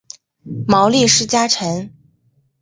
毛利氏家臣。